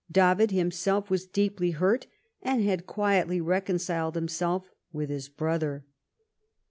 David himself was deeply hurt, and had quietly reconciled himself with his brother.